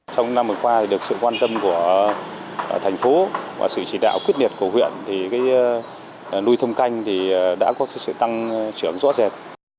trong năm hồi qua được sự quan tâm của thành phố và sự chỉ đạo quyết liệt của huyện nuôi thông canh đã có sự tăng trưởng rõ rệt